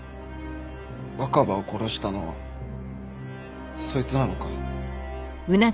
若葉を殺したのはそいつなのか？